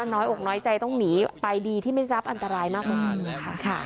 น้อยอกน้อยใจต้องหนีไปดีที่ไม่ได้รับอันตรายมากมายนะคะ